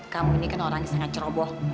kamu ini kan orang yang sangat ceroboh